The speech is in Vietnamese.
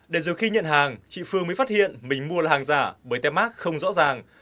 để dù khi nhận hàng chị phương mới phát hiện mình mua là hàng giả bởi téc không rõ ràng